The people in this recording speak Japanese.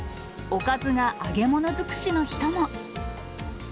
おかずが揚げ物尽くしの人も。